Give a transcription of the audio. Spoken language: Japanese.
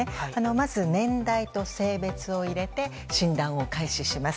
まず年代と性別を入れて診断を開始します。